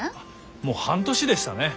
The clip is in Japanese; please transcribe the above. もう半年でしたね。